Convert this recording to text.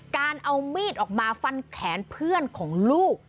การเอามีดออกมาฟันแขนเพื่อนของลูก